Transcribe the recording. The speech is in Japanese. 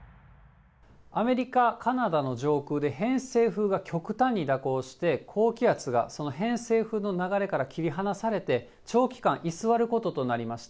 アメリカ、カナダの上空で偏西風が極端に蛇行して、高気圧がその偏西風の流れから切り離されて長期間居座ることとなりました。